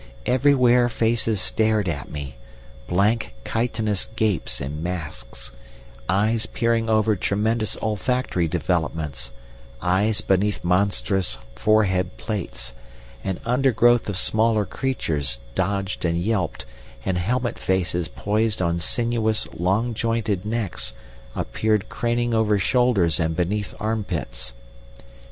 Everywhere faces stared at me—blank, chitinous gapes and masks, eyes peering over tremendous olfactory developments, eyes beneath monstrous forehead plates; and undergrowth of smaller creatures dodged and yelped, and helmet faces poised on sinuous, long jointed necks appeared craning over shoulders and beneath armpits.